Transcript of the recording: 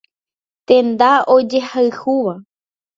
Tenda ojehayhúva.